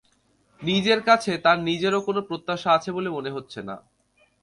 নিজের কাছে তাঁর নিজেরও কোনো প্রত্যাশা আছে বলে মনে হচ্ছে না।